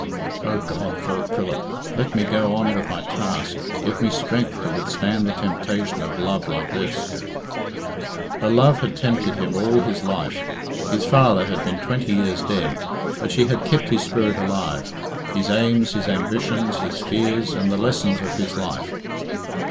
"O God," thought Philip, "let me go on with my task. Give me strength to withstand the temptation of love like this." Her love had tempted him all his life His father had been twenty years dead, but she had kept his spirit alive his aims, his ambitions, his fears, and the lessons of his life.